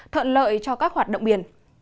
thợn lợi cho các hoạt động biển